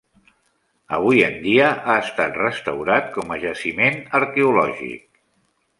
Avui en dia ha estat restaurat com a jaciment arqueològic.